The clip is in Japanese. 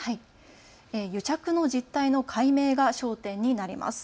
癒着の実態の解明が焦点になります。